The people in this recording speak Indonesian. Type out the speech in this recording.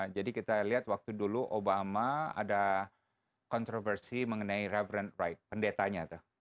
jadi kita lihat waktu dulu obama ada kontroversi mengenai reverend wright pendetanya tuh